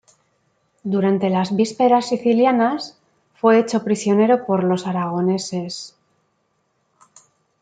Durante las vísperas sicilianas fue hecho prisionero por los aragoneses.